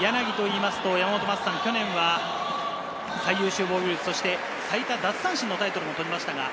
柳というと、去年は最優秀防御率、最多奪三振のタイトルも取りました。